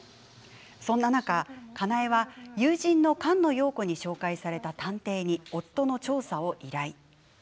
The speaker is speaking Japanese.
そんな中、かなえは、友人の菅野よう子に紹介された探偵に夫の調査を依頼。